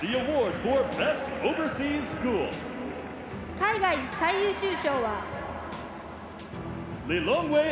海外最優秀賞は。